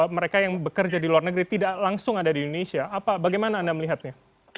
mereka yang bekerja di luar negeri tidak langsung ada di indonesia apa bagaimana anda melihatnya